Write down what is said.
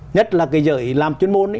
nhất là cái giới làm chuyên môn